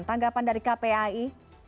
tanggapan dari kpai